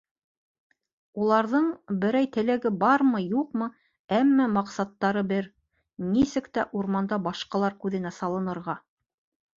Уларҙың берәй теләге бармы, юҡмы, әммә маҡсаттары бер: нисек тә урманда башҡалар күҙенә салынырға.